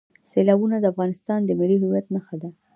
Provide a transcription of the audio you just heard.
سیلابونه د افغانستان د ملي هویت نښه ده.